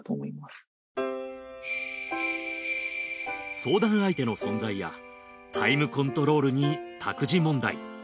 相談相手の存在やタイムコントロールに託児問題。